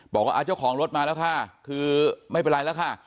บอกว่าเจ้าของรถมาแล้วค่ะคือไม่เป็นไรแล้วค่ะ